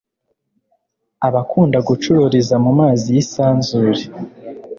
abakunda gucururiza mu mazi y'isanzure